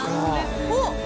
おっ！